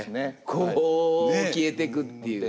こう消えていくっていう。